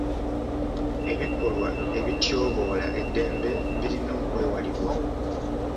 Ebikolwa ebityoboola eddembe birina okwewalibwa.